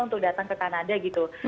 untuk datang ke kanada gitu